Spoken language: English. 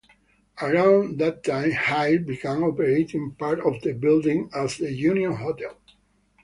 Around that time Haight began operating part of the building as the Union Hotel.